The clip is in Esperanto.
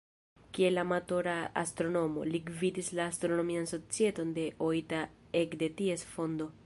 Kiel amatora astronomo, li gvidis la Astronomian Societon de Oita ekde ties fondo.